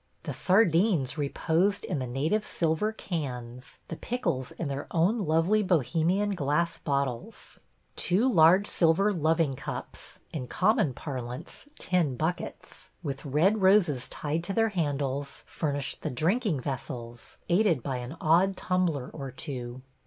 The sardines reposed in the native silver cans, the pickles in their own lovely Bohemian glass bottles ; two large silver loving cups (in common parlance, tin buckets), with red roses tied to their handles, furnished the drinking vessels, aided by an odd tumbler or two.